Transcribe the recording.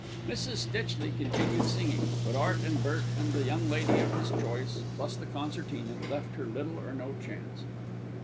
Mrs. Stitchley continued singing; but Art and Bert and the young lady of his choice, plus the concertina, left her little or no chance.